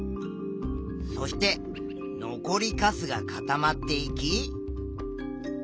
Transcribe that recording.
そして残りかすが固まっていき。